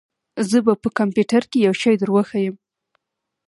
زه به په کمپيوټر کښې يو شى دروښييم.